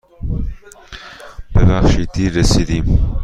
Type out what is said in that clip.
ببخشید دیر رسیدم.